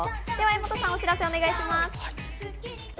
柄本さん、お知らせをお願いします。